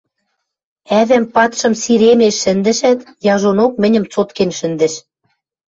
Ӓвӓм падшым сиремеш шӹндӹшӓт, яжонок мӹньӹм цоткен шӹндӹш.